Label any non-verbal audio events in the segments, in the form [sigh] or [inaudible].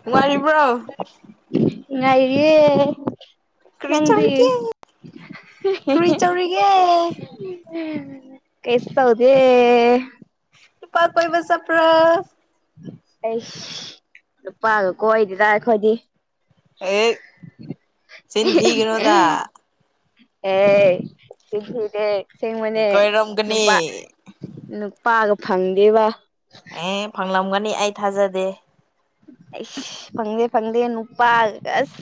ꯅꯨꯡꯉꯥꯏꯔꯤꯕꯔꯣ ꯉꯥꯏꯔꯤꯌꯦ ꯀꯔꯤ ꯅꯪꯗꯤ ꯇꯧꯔꯤꯒꯦ ꯀꯔꯤ ꯇꯧꯔꯤꯒꯦ ꯀꯩꯁꯨ ꯇꯧꯗꯦ ꯅꯨꯄꯥ ꯀꯣꯏꯕꯥ ꯆꯠꯄꯔꯣ ꯑꯩꯁ ꯅꯨꯄꯥꯒ ꯀꯣꯏꯗꯦꯗꯥ ꯑꯩꯈꯣꯏꯗꯤ ꯑꯩꯠ ꯆꯤꯟ ꯊꯤꯒꯅꯨꯗꯥ ꯑꯦ ꯆꯤꯟ ꯊꯤꯗꯦ ꯑꯁꯦꯡꯕꯅꯦ ꯀꯣꯏꯔꯝꯒꯅꯤ ꯅꯨꯄꯥ ꯅꯨꯄꯥꯒ ꯐꯪꯗꯦꯕ ꯑꯦ ꯐꯪꯂꯝꯒꯅꯤ ꯑꯩ ꯊꯥꯖꯗꯦ ꯑꯁ ꯐꯪꯗꯦ ꯐꯪꯗꯦ ꯅꯨꯄꯥꯒ ꯑꯁ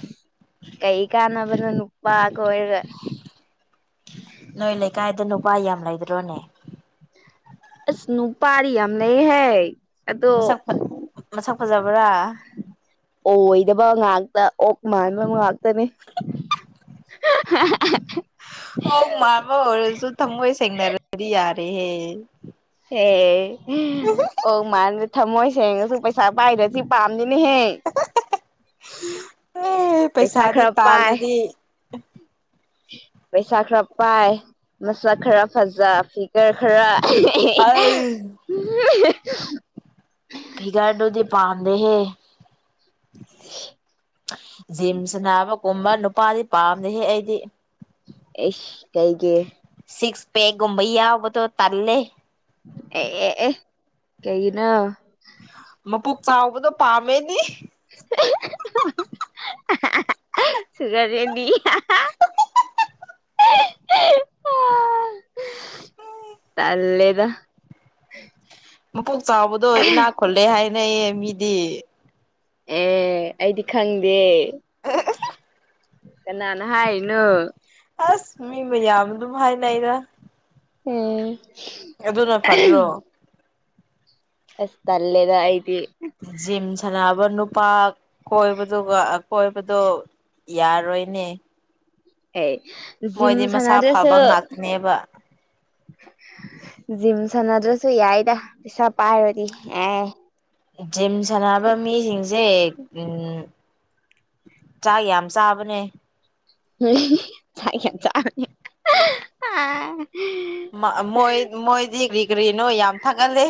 ꯀꯩ ꯀꯥꯟꯅꯕꯅꯣ ꯅꯨꯄꯥ ꯀꯣꯏꯔꯒ ꯅꯣꯏ ꯂꯩꯀꯥꯏꯗ ꯅꯨꯄꯥ ꯌꯥꯝ ꯂꯩꯗ꯭ꯔꯣꯅꯦ [inaudible] ꯑꯁ ꯅꯨꯄꯥꯗꯤ ꯌꯥꯝ ꯂꯩ ꯍꯦ ꯑꯗꯣ ꯃꯁꯛ ꯃꯁꯛ ꯐꯖꯕ꯭ꯔꯥ ꯑꯣꯏꯗꯕ ꯉꯥꯛꯇ ꯑꯣꯛ ꯃꯥꯟꯕ ꯉꯥꯛꯇꯅꯦ [inaudible] ꯑꯣꯛ ꯃꯥꯟꯕ ꯑꯣꯏꯔꯁꯨ ꯊꯝꯃꯣꯏ ꯁꯦꯡꯅꯔꯗꯤ ꯌꯥꯔꯦꯍꯦ ꯍꯦ ꯑꯣꯛ ꯃꯟꯕ ꯊꯝꯃꯣꯏ ꯁꯦꯡꯉꯁꯨ ꯄꯩꯁꯥ ꯄꯥꯏꯗ꯭ꯔꯗꯤ ꯄꯥꯝꯗꯤꯅꯦꯍꯦ ꯑꯦ ꯄꯩꯁꯥ ꯄꯩꯁꯥꯗꯤ ꯈꯔ ꯄꯥꯏ ꯇꯥꯜꯂꯗꯤ ꯄꯩꯁꯥ ꯈꯔ ꯄꯥꯏ ꯃꯁꯛ ꯈꯔ ꯐꯖ ꯐꯤꯒꯔ ꯈꯔ ꯑꯩ [unintelligible] ꯐꯤꯒꯔꯗꯨꯗꯤ ꯄꯥꯝꯗꯦ ꯍꯦ [inaudible] ꯖꯤꯝ ꯁꯥꯅꯕ ꯀꯨꯝꯕ ꯅꯨꯄꯥꯗꯤ ꯄꯥꯝꯗꯦ ꯍꯦ ꯑꯩꯗꯤ ꯑꯦꯁ ꯀꯩꯒꯤ ꯁꯤꯛꯁ ꯄꯦꯛꯒꯨꯝꯕ ꯌꯥꯎꯕꯗꯣ ꯇꯜꯂꯦ ꯑꯦ ꯑꯦ ꯑꯦ ꯀꯩꯒꯤꯅꯣ ꯃꯕꯨꯛ ꯆꯥꯎꯕꯗꯣ ꯄꯥꯝꯃꯦꯗꯤ [unintelligible] [unintelligible] ꯇꯂꯦꯗ ꯃꯄꯨꯛ ꯆꯥꯎꯕꯗꯣ ꯏꯅꯥꯛ ꯈꯨꯜꯂꯦ ꯍꯥꯏꯅꯩꯌꯦ ꯃꯤꯗꯤ ꯑꯦ ꯑꯩꯗꯤ ꯈꯪꯗꯦ ꯀꯅꯥꯅ ꯍꯥꯏꯅꯣ ꯑꯁ ꯃꯤ ꯃꯌꯥꯝ ꯑꯗꯨꯝ ꯍꯥꯏꯅꯗ ꯑꯦ ꯑꯗꯨꯅ ꯐꯗ꯭ꯔꯣ ꯑꯁ ꯇꯜꯂꯦꯗ ꯑꯩꯗꯤ ꯖꯤꯝ ꯁꯥꯟꯅꯕ ꯅꯨꯄꯥ ꯀꯣꯏꯕꯗꯨꯒ ꯑ ꯀꯣꯏꯕꯗꯣ ꯌꯥꯔꯣꯏꯅꯦ ꯑꯦ ꯖꯤꯝ ꯃꯣꯏꯗꯤ ꯃꯁꯥ ꯁꯥꯟꯅꯗꯣꯏꯁꯦ ꯐꯕ ꯉꯥꯛꯇꯅꯦꯕ ꯖꯤꯝ ꯁꯥꯟꯅꯗ꯭ꯔꯁꯨ ꯌꯥꯏꯗ ꯄꯩꯁꯥ ꯄꯥꯏꯔꯗꯤ ꯑꯦ ꯖꯤꯝ ꯁꯥꯟꯅꯕ ꯃꯤꯁꯤꯡꯁꯦ ꯎꯝ ꯆꯥꯛ ꯌꯥꯝ ꯆꯥꯕꯅꯦ ꯆꯥ ꯌꯥꯝ ꯆꯥꯕꯅꯦ ꯑ ꯃ ꯃꯣꯏ ꯃꯣꯏꯗꯤ ꯀ꯭ꯔꯤ ꯀꯔꯤꯅꯣ ꯌꯥꯝ ꯊꯥꯒꯠꯂꯦ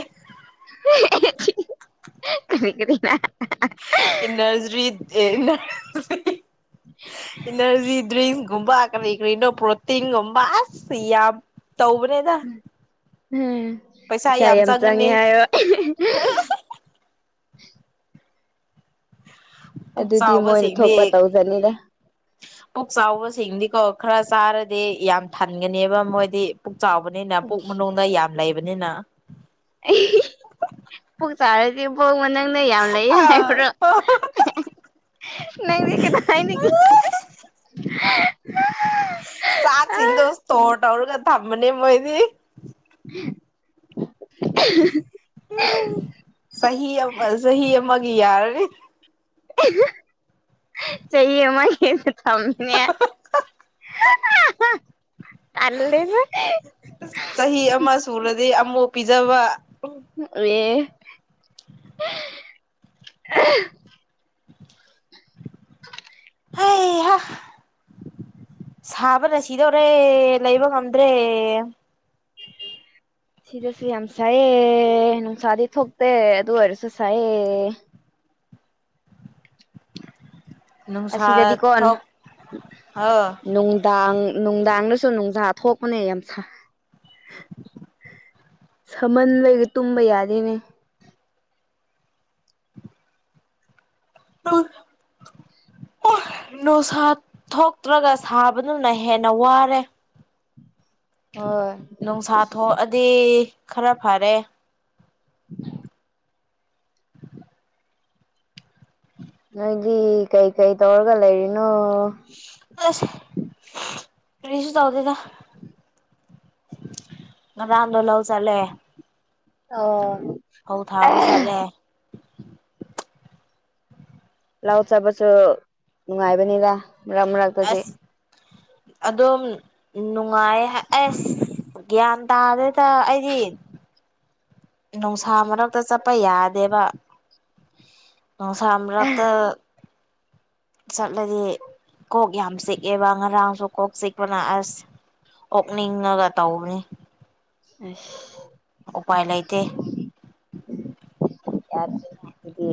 [unintelligible] ꯏꯅꯔꯖ꯭ꯔꯤ ꯑꯦ ꯏꯅꯔꯖꯤ ꯗ꯭ꯔꯤꯡ ꯨꯒꯨꯝꯕ ꯀꯔꯤ ꯀꯔꯤꯅꯣ ꯄ꯭ꯔꯣꯇꯤꯟꯒꯨꯝꯕ ꯑꯁ ꯌꯥꯝ ꯇꯧꯕꯅꯦꯗ ꯎꯝ ꯄꯩꯁꯥ ꯏꯁꯥ ꯌꯥꯝ ꯆꯪꯉꯦ ꯆꯪꯒꯅꯤ ꯍꯥꯏꯌꯣ ꯄꯨꯛ ꯑꯗꯨꯗꯤ ꯃꯣꯏꯅ ꯊꯣꯛꯄ ꯆꯥꯎꯕꯁꯤꯡꯗꯤ ꯇꯧꯖꯅꯤꯗ ꯄꯨꯛ ꯆꯥꯎꯕꯁꯤꯡꯗꯤꯀꯣ ꯈꯔ ꯆꯥꯔꯗꯤ ꯌꯥꯝ ꯊꯟꯒꯅꯦꯕ ꯃꯣꯏꯗꯤ ꯄꯨꯛ ꯆꯥꯎꯕꯅꯤꯅ ꯄꯨꯛ ꯃꯅꯨꯡꯗ ꯌꯥꯝ ꯂꯩꯕꯅꯤꯅ ꯑꯩ ꯄꯨꯛ ꯆꯥꯔꯗꯤ ꯄꯨꯛ ꯃꯅꯨꯡꯗ ꯌꯥꯝ ꯂꯩ ꯍꯥꯏꯕ꯭ꯔꯣ [unintelligible] ꯆꯥꯛ ꯑ ꯁꯤꯡꯗꯣ ꯁ꯭ꯇꯣꯔ ꯇꯧꯔꯒ ꯊꯝꯕꯅꯦ ꯃꯣꯏꯗꯤ [unintelligible] ꯆꯍꯤ ꯑꯝ ꯆꯍꯤ ꯑꯃꯒꯤ ꯌꯥꯔꯅꯤ ꯆꯍꯤ ꯑꯃꯒꯤ ꯁꯝꯅꯦ ꯇꯜꯂꯦꯗ ꯆꯍꯤ ꯑꯃ ꯁꯨꯔꯗꯤ ꯑꯃꯨꯛ ꯄꯤꯖꯕ ꯑꯦ ꯍꯩꯍꯥ ꯁꯥꯕꯅ ꯁꯤꯗꯣꯔꯦ ꯂꯩꯕ ꯉꯝꯗ꯭ꯔꯦ ꯁꯤꯗꯁꯨ ꯌꯥꯝ ꯁꯥꯏꯑꯦ ꯅꯨꯡꯁꯥꯗꯤ ꯊꯣꯛꯇꯦ ꯑꯗꯨ ꯑꯣꯏꯔꯁꯨ ꯁꯥꯏꯌꯦ ꯅꯨꯡꯁꯥ ꯑꯁꯤꯗꯗꯤꯀꯣꯟ ꯊꯣꯛ ꯑ ꯅꯨꯡ ꯗꯥꯡ ꯅꯨꯡꯗꯥꯡꯗꯁꯨ ꯅꯨꯡꯗꯥꯥ ꯊꯣꯛꯄꯅꯦ ꯌꯥꯝ ꯁꯥꯏ ꯁꯃꯟꯕꯒꯤ ꯇꯨꯝꯕ ꯌꯥꯗꯦꯅꯦ [inaudible] ꯅꯨꯡꯁꯥ ꯊꯣꯛꯇ꯭ꯔꯒ ꯁꯥꯕꯗꯨꯅ ꯍꯦꯟꯅ ꯋꯥꯔꯦ ꯍꯣꯏ ꯅꯨꯡꯁꯥ ꯊꯣꯛꯑꯗꯤ ꯈꯔ ꯐꯥꯔꯦ ꯎꯝ ꯅꯣꯏꯗꯤ ꯀꯩ ꯀꯩ ꯇꯧꯔꯒ ꯂꯩꯔꯤꯅꯣ ꯑꯁ ꯀꯔꯤꯁꯨ ꯇꯧꯗꯦꯗ ꯎꯝ ꯉꯔꯥꯡꯗꯣ ꯂꯧ ꯆꯠꯂꯦ ꯑꯣ ꯐꯧ ꯊꯥꯕ ꯆꯠꯂꯦ ꯂꯧ ꯆꯠꯄꯁꯨ ꯅꯨꯡꯉꯥꯏꯕꯅꯤꯗ ꯃꯔꯛ ꯃꯔꯛ ꯑꯁ ꯑꯗꯨꯝ ꯅꯨꯡꯉꯥꯏꯌꯦ ꯑꯁ ꯒꯤꯌꯥꯟ ꯇꯥꯗꯦꯗ ꯑꯩꯗꯤ ꯅꯨꯡꯁꯥ ꯃꯔꯛꯇ ꯆꯠꯄ ꯌꯥꯗꯦꯕ ꯅꯨꯡꯁꯥ ꯃꯔꯛꯇ ꯑꯁ ꯆꯠꯂꯗꯤ ꯀꯣꯛ ꯌꯥꯝ ꯆꯤꯛꯑꯦꯕ ꯉꯔꯥꯡꯁꯨ ꯀꯣꯛ ꯆꯤꯛꯄꯅ ꯑꯁ ꯑꯣꯛꯅꯤꯡꯉꯒ ꯇꯧꯕꯅꯤ ꯍꯩꯁ ꯎꯄꯥꯏ ꯂꯩꯇꯦ ꯌꯥꯗ꯭ꯔꯦꯅꯦ ꯑꯗꯨꯗꯤ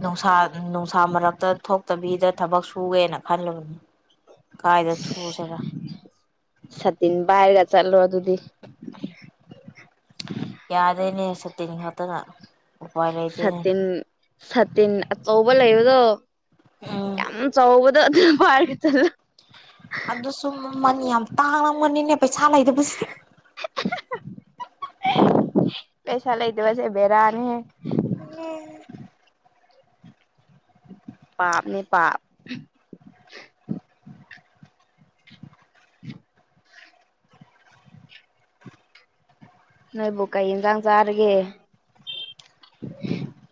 ꯅꯨꯡꯁꯥ ꯅꯨꯡꯁꯥ ꯃꯔꯛꯇ ꯊꯣꯛꯇꯕꯤꯗ ꯊꯕꯛ ꯁꯨꯒꯦꯅ ꯈꯜꯒꯅꯨ ꯀꯥꯏꯗ ꯊꯨꯁꯤꯔ ꯁꯥꯇꯤꯟ ꯄꯥꯏꯔꯒ ꯆꯠꯂꯣ ꯑꯗꯨꯗꯤ ꯌꯥꯗꯦꯅꯦ ꯁꯥꯇꯤꯟ ꯈꯛꯇꯅ ꯎꯄꯥꯏ ꯂꯩꯇꯦꯅꯦ ꯁꯥꯇꯤꯟ ꯁꯥꯇꯤꯟ ꯑꯆꯧꯕ ꯂꯩꯕꯗꯣ ꯎꯝ ꯌꯥꯝ ꯆꯥꯎꯕꯗꯣ ꯑꯗꯨ ꯄꯥꯏꯔ ꯆꯠꯂꯣ ꯑꯗꯨꯁꯨꯨ ꯃꯃꯜ ꯌꯥꯝ ꯇꯥꯡꯉꯝꯒꯅꯤꯅꯦ ꯄꯩꯁꯥ ꯂꯩꯇꯕꯁꯤꯗ ꯄꯩꯁꯥ ꯂꯩꯇꯕꯁꯦ ꯕꯦꯔꯥꯅꯤꯍꯦ ꯏꯪꯉꯦ ꯄꯥꯞꯅꯦ ꯄꯥꯞ [inaudible] [inaudible] ꯅꯣꯏꯕꯨ ꯀꯩ ꯌꯦꯟꯖꯥꯡ ꯆꯥꯔꯦꯒꯦ [inaudible]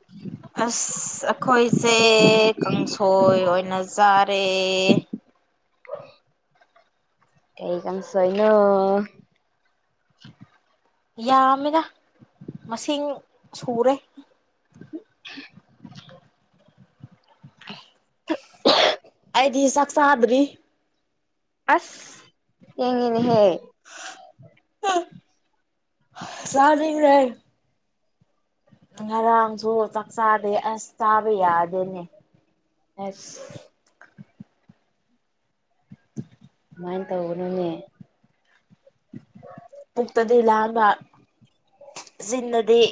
ꯑꯁ ꯑꯩꯈꯣꯏꯁꯦ ꯀꯥꯡꯁꯣꯏ ꯑꯣꯏꯅ ꯆꯥꯔꯦ ꯀꯩ ꯀꯥꯡꯁꯣꯏꯅꯣ ꯌꯥꯝꯃꯦꯗ ꯃꯁꯤꯡ ꯁꯨꯔꯦ [inaudible] [inaudible] [inaudible] ꯑꯩꯗꯤ ꯆꯥꯛ ꯆꯥꯗ꯭ꯔꯤ ꯑꯁ ꯊꯦꯡꯉꯦꯅꯦꯍꯦ ꯆꯥꯅꯤꯡꯔꯦ ꯉꯔꯥꯡꯁꯨ ꯆꯥꯛꯆꯥꯥꯗꯦ ꯑꯁ ꯆꯥꯕ ꯌꯥꯗꯦꯅꯦ ꯑꯁ ꯀꯃꯥꯏ ꯇꯧꯕꯅꯣꯅꯦ ꯃꯨꯛꯇꯗꯤ ꯂꯥꯝꯕ ꯖꯤꯟꯗꯗꯤ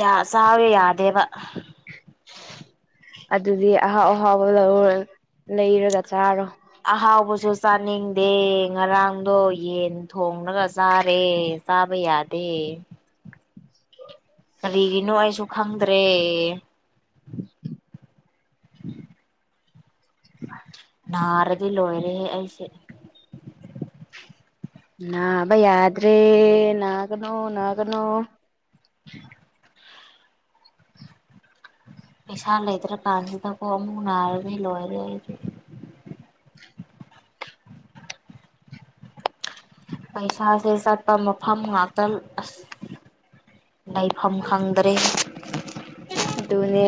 ꯌꯥ ꯆꯥꯕ ꯌꯥꯗꯦꯕ ꯑꯗꯨꯗꯤ ꯑꯍꯥꯎ ꯑꯍꯥꯎꯕ ꯂꯧꯔ ꯂꯩꯔꯒ ꯆꯥꯔꯣ ꯑꯍꯥꯎꯕꯁꯨ ꯆꯥꯅꯤꯡꯗꯦ ꯉꯔꯥꯡꯗꯣ ꯌꯦꯟ ꯊꯣꯡꯂꯒ ꯆꯥꯔꯦ ꯇꯥꯕ ꯌꯥꯗꯦ ꯍ [unintelligible] ꯀꯔꯤꯒꯤꯅꯣ ꯑꯩꯁꯨ ꯈꯪꯗ꯭ꯔꯦ [inaudible] ꯅꯥꯔꯗꯤ ꯂꯣꯏꯔꯦꯍꯦ ꯑꯩꯁꯦ ꯅꯕ ꯌꯥꯗ꯭ꯔꯦ ꯅꯥꯒꯅꯣ ꯅꯥꯒꯅꯣ [unintelligible] ꯄꯩꯁꯥ ꯂꯩꯇ꯭ꯔꯀꯥꯟꯁꯤꯗꯀꯣ ꯑꯃꯨꯛ ꯅꯥꯔꯗꯤ ꯂꯣꯏꯔꯦ ꯑꯩꯗꯤ [unintelligible] ꯄꯩꯁꯥꯁꯦ ꯆꯠꯄ ꯃꯐꯝ ꯉꯥꯛꯇ ꯑꯁ ꯂꯩꯐꯝ ꯈꯪꯗ꯭ꯔꯦ ꯑꯗꯨꯅꯦ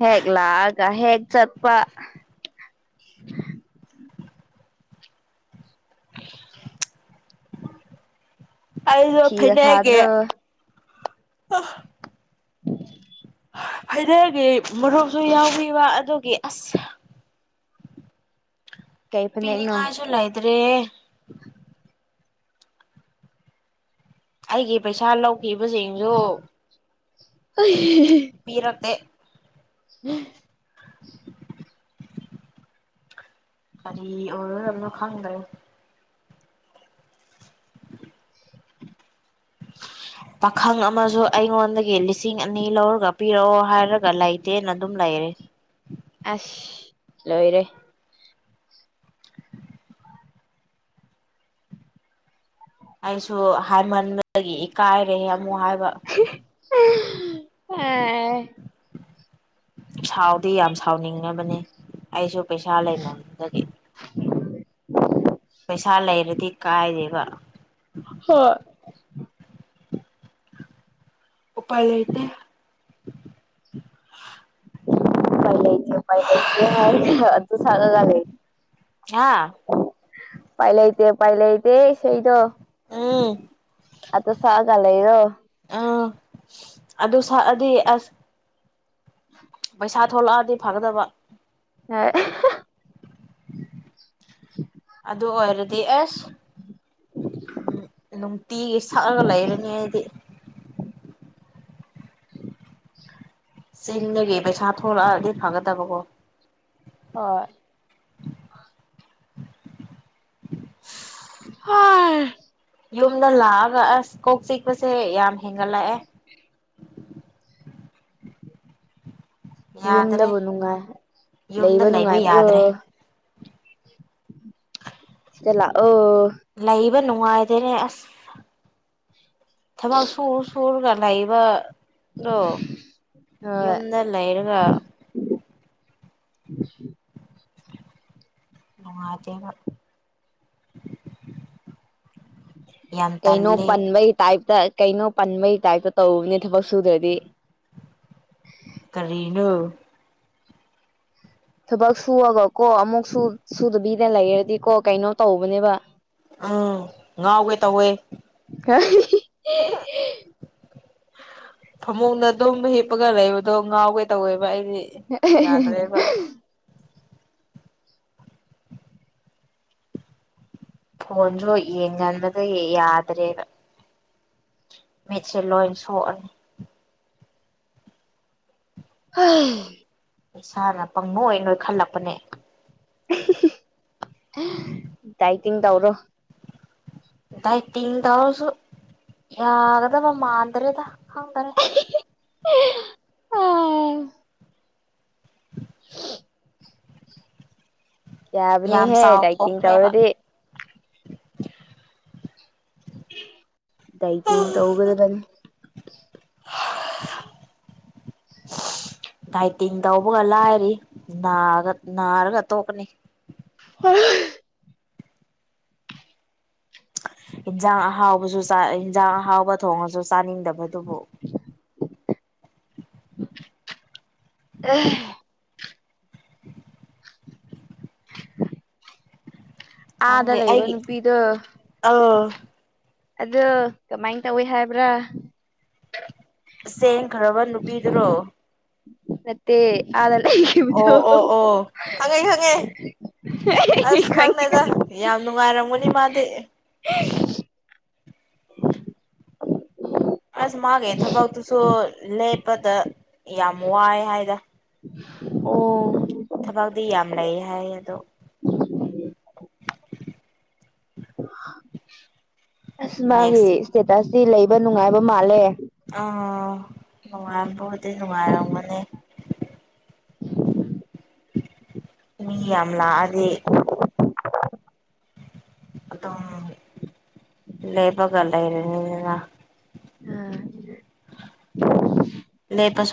ꯍꯦꯛ ꯂꯛꯑꯒ ꯍꯦꯛ ꯆꯠꯄ [inaudible] ꯑꯩꯗ ꯐꯤꯒ ꯐꯅꯦꯒꯦ ꯁꯥꯗ꯭ꯔꯣ ꯎ [unintelligible] ꯐꯩꯅꯦꯒꯤ ꯃꯔꯨꯞꯁꯨ ꯌꯥꯎꯕꯤꯕ ꯑꯗꯨꯒꯤ ꯑꯁ ꯀꯩ ꯐꯅꯦꯛꯅꯣ ꯄꯤꯅꯤꯡꯉꯥꯏꯁꯨ ꯂꯩꯗ꯭ꯔꯦ ꯑꯩꯒꯤ ꯄꯩꯁꯥ ꯂꯧꯈꯤꯕꯁꯤꯡꯁꯨ ꯍ [unintelligible] ꯄꯤꯔꯛꯇꯦ [inaudible] ꯀꯔꯤ ꯑꯣꯏꯒꯗꯕꯅꯣ ꯈꯪꯗ꯭ꯔꯦ [inaudible] ꯄꯥꯈꯪ ꯑꯃꯁꯨ ꯑꯩꯉꯣꯟꯗꯒꯤ ꯂꯤꯁꯤꯡ ꯑꯅꯤ ꯂꯧꯔꯒ ꯄꯤꯔꯛꯑꯣ ꯍꯥꯏꯔꯒ ꯂꯩꯇꯦꯅ ꯑꯗꯨꯝ ꯂꯩꯔꯦ ꯑꯁ ꯂꯣꯏꯔꯦ [inaudible] ꯑꯩꯁꯨ ꯍꯥꯏꯃꯟꯕꯗꯒꯤ ꯏꯀꯥꯏꯔꯦ ꯑꯃꯨꯛ ꯍꯥꯏꯕ ꯁꯥꯎꯗꯤ ꯌꯥꯝ ꯁꯥꯎꯅꯤꯡꯉꯕꯅꯤ ꯑꯩꯁꯨ ꯄꯩꯁꯥ ꯂꯩꯃꯗꯒꯤ ꯄꯩꯁꯥ ꯂꯩꯔꯗꯤ ꯀꯥꯏꯗꯦꯕ ꯍꯣꯏ ꯎꯄꯥꯥꯏ ꯂꯩꯇꯦ ꯄꯥꯏ ꯂꯩꯇ ꯄꯥꯏ ꯂꯩꯇꯦ ꯍꯥꯏꯔꯒ ꯑꯗꯨ ꯁꯛꯑꯒ ꯂꯩ ꯑꯥ ꯄꯥꯏ ꯂꯩꯇꯦ ꯄꯥꯏ ꯂꯩꯇꯦ ꯏꯁꯩꯗꯣ ꯎꯝ ꯑꯗꯨ ꯁꯥꯛꯑꯒ ꯂꯩꯔꯣ ꯑ ꯑꯗꯨ ꯁꯥꯛꯑꯗꯤ ꯑꯁ [inaudible] ꯄꯩꯁꯥ ꯊꯣꯛꯂꯛꯑꯗꯤ ꯐꯒꯗꯕ ꯍꯣꯏ ꯑꯗꯨ ꯑꯣꯏꯔꯗꯤ ꯑꯦꯁ ꯎꯝ ꯅꯨꯡꯇꯤꯒꯤ ꯁꯛꯑꯒ ꯂꯩꯔꯅꯤ ꯑꯩꯗꯤ ꯆꯤꯡꯗꯒꯦ ꯄꯩꯁꯥ ꯊꯣꯛꯂꯛꯑꯗꯤ ꯐꯒꯗꯕꯀꯣ ꯍꫭꯏ [inaudible] ꯍꯥꯏ ꯌꯨꯝꯗ ꯂꯥꯛꯑꯒ ꯑꯁ ꯀꯣꯛ ꯆꯤꯛꯄꯁꯦ ꯌꯥꯝ ꯍꯦꯟꯒꯠꯂꯛꯑꯦ ꯌꯨꯝꯗꯕꯨ ꯌꯥꯗ꯭ꯔꯦ ꯅꯨꯡꯉꯥꯏ ꯌꯨꯝꯗ ꯂꯩꯕ ꯅꯨꯡꯉꯥꯏꯕ꯭ꯔꯣ ꯌꯥꯗ꯭ꯔꯦ ꯁꯤꯗ ꯂꯥꯛꯑꯣ ꯂꯩꯕ ꯅꯨꯡꯉꯥꯏꯇꯦꯅꯦ ꯑꯁ ꯊꯕꯛ ꯁꯨꯔ ꯁꯨꯔꯒꯥ ꯂꯩꯕ ꯗꫭ ꯍꯣꯏ ꯌꯨꯝꯗ ꯂꯩꯔꯒ [inaudible] ꯅꯨꯉꯥꯏꯇꯦꯅ ꯀꯩꯅꯣ ꯄꯟꯕꯩ ꯇꯥꯏꯞꯇ ꯀꯩꯅꯣ ꯄꯟꯕꯩ ꯇꯥꯏꯞꯇ ꯇꯧꯕꯅꯦ ꯊꯕꯛ ꯁꯨꯗ꯭ꯔꯗꯤ ꯀꯔꯤꯅꯣ ꯊꯕꯛ ꯁꯨꯨꯔꯒ ꯀꯣ ꯑꯃꯨꯛꯁꯨ ꯁꯨꯗꯕꯤꯗꯅ ꯂꯩꯔꯗꯤꯀꯣ ꯀꯩꯅꯣ ꯇꯧꯕꯅꯦꯕ ꯎꯝ ꯉꯥꯎꯒꯦ ꯇꯧꯋꯦ ꯀꯔꯤ ꯐꯃꯨꯡꯗ ꯑꯗꯨꯝ ꯍꯤꯞꯄꯒ ꯂꯩꯕꯗꯣ ꯉꯥꯎꯒꯦ ꯇꯧꯋꯦꯕ ꯑꯩꯗꯤ [unintelligible] ꯌꯥꯗ꯭ꯔꯦꯕ ꯐꫭꯟꯖꯨ ꯌꯦꯡꯃꯟꯕꯗꯒꯤ ꯌꯥꯗ꯭ꯔꯦꯕ ꯃꯠꯁꯦ ꯂꯣꯏ ꯁꯣꯛꯑꯅꯤ ꯍꯩ ꯏꯁꯥꯅ ꯄꯪꯅꯣꯏ ꯅꯣꯏ ꯈꯠꯂꯛꯄꯅꯦ ꯗꯥꯏꯇꯤꯡ ꯇꯧꯔꯣ ꯗꯥꯏꯇꯤꯡ ꯇꯥꯎꯔꯁꯨ ꯌꯥꯒꯗꯕ ꯃꯥꯗ꯭ꯔꯦꯗ ꯈꯪꯗꯔꯦ ꯌꯥꯝ ꯌꯥꯕꯅꯤꯍꯦ ꯗꯥꯏꯇꯤꯡ ꯆꯥꯎꯊꯣꯛꯈ꯭ꯔꯦꯕ ꯇꯧꯔꯗꯤ ꯗꯥꯏꯇꯤꯡ ꯇꯧꯕꯗ ꯅꯪ [inaudible] ꯗꯥꯏꯇꯤꯡ ꯇꯧꯕꯒ ꯂꯥꯏꯔꯤ ꯅꯥꯕ ꯅꯥꯔꯒ ꯇꯣꯛꯀꯅꯤ ꯍꯝ ꯏꯟꯖꯥꯡ ꯑꯍꯥꯎꯕꯁꯨ ꯆꯥꯏ ꯏꯟꯖꯥꯡ ꯑꯍꯥꯎꯕ ꯊꯣꯡꯉꯁꯨ ꯆꯥꯅꯤꯡꯗꯕꯗꯨꯕꯨ ꯑꯦ ꯑꯥꯗ ꯂꯩꯕ ꯅꯨꯄꯤꯗꯣ ꯑꯧ ꯑꯣ ꯀꯃꯥꯏꯅ ꯇꯧꯏ ꯍꯥꯏꯕ꯭ꯔꯥ ꯆꯦꯡꯈ꯭ꯔꯕ ꯅꯨꯄꯤꯗꯨꯔꯣ ꯅꯠꯇꯦ ꯑꯥꯗ ꯂꯩꯈꯤꯕꯗꯣ ꯑꯣ ꯑꯣ ꯑꯣ ꯈꯪꯉꯦ ꯈꯪꯉꯦ ꯍ ꯑꯁ ꯈꯪꯗꯦꯗ ꯌꯥꯝ ꯅꯨꯡꯉꯥꯏꯔꯝꯒꯅꯤ ꯃꯥꯗꯤ ꯑꯦ ꯑꯁ ꯃꯥꯒꯤ ꯊꯕꯛꯇꯨꯁꯨ ꯂꯦꯞꯄꯗ ꯌꯥꯝ ꯋꯥꯏ ꯍꯥꯏꯗ ꯑꯣ ꯊꯕꯛꯗꯤ ꯌꯥꯝ ꯂꯩ ꯍꯥꯏ ꯑꯗꯣ ꯑꯁ ꯃꯥꯒꯤ ꯅꯦꯛꯁ ꯏꯁꯇꯦꯇꯁꯇꯤ ꯂꯩꯕ ꯅꯨꯡꯉꯥꯏꯕ ꯃꯥꯜꯂꯦ ꯑꯥ ꯅꯨꯡꯉꯥꯏꯕꯨꯗꯤ ꯅꯨꯡꯉꯥꯏꯔꯝꯒꯅꯤ ꯃꯤ ꯌꯥꯝꯂꯥꯛ ꯑꯗꯤ ꯑꯗꯨꯝ ꯂꯦꯄꯒ ꯂꯩꯔꯅꯤꯗꯅ ꯎꯝ ꯂꯦꯞꯄꯁꯨ